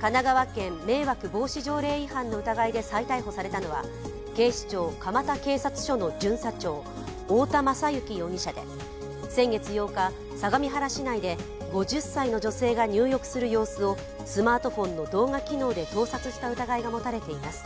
神奈川県迷惑防止条例違反の疑いで再逮捕されたのは警視庁蒲田警察署の巡査長、太田優之容疑者で、先月８日、相模原市内で５０歳の女性が入浴する様子をスマートフォンの動画機能で盗撮した疑いが持たれています。